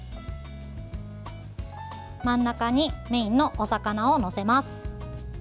真ん中にメインのお魚を載せます。